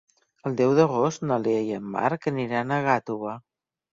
El deu d'agost na Lea i en Marc aniran a Gàtova.